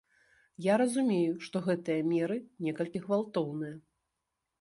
Я разумею, што гэтыя меры некалькі гвалтоўныя.